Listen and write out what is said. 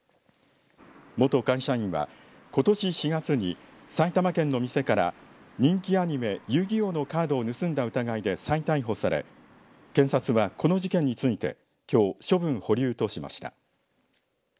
元会社員は、ことし４月に埼玉県の店から人気アニメ遊戯王のカードを盗んだ疑いで再逮捕され検察はこの事件についてきょう処分保留としました。